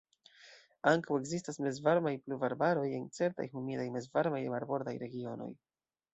Ankaŭ ekzistas mezvarmaj pluvarbaroj, en certaj humidaj mezvarmaj marbordaj regionoj.